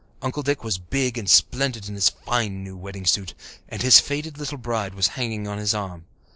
Uncle Dick was big and splendid in his fine new wedding suit, and his faded little bride was hanging on his arm.